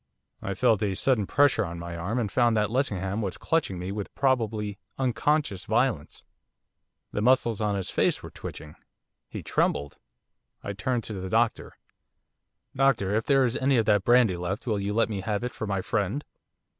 I felt a sudden pressure on my arm, and found that Lessingham was clutching me with probably unconscious violence. The muscles of his face were twitching. He trembled. I turned to the doctor. 'Doctor, if there is any of that brandy left will you let me have it for my friend?